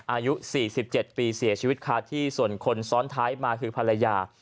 อายุศิยสิบเจ็ดปีเสียชีวิตค่ะที่ส่วนคนซ้อนท้ายมาคือภรรยา